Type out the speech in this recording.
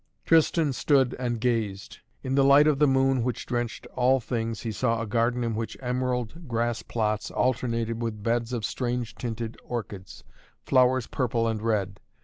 Tristan stood and gazed. In the light of the moon which drenched all things he saw a garden in which emerald grass plots alternated with beds of strange tinted orchids, flowers purple and red.